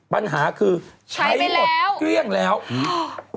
ปัญหาคือได้หมดเครื่องแล้วใช้ไปแล้ว